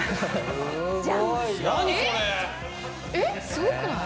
すごくない？